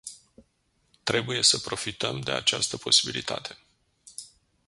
Trebuie să profităm de această posibilitate.